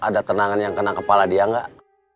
ada tenangan yang kena kepala dia enggak